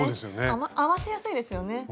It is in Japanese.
合わせやすいですよね。